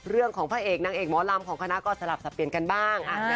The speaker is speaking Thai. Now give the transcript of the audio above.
พระเอกนางเอกหมอลำของคณะก็สลับสับเปลี่ยนกันบ้าง